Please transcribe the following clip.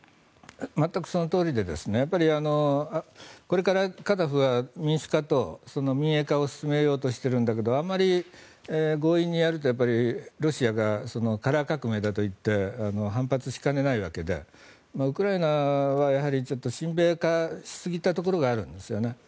全くそのとおりでやっぱりこれからカザフは民主化と民営化を進めようとしているんだけどあまり強引にやるとロシアがカラー革命だと言って反発しかねないわけでウクライナはちょっと親米化しすぎたところがあるんですよね。